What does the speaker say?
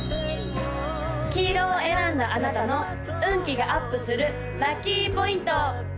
黄色を選んだあなたの運気がアップするラッキーポイント！